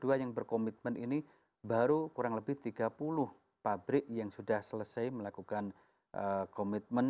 dan yang berkomitmen ini baru kurang lebih tiga puluh pabrik yang sudah selesai melakukan komitmen